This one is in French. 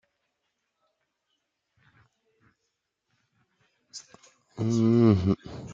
Il y joue six matchs et inscrit un but.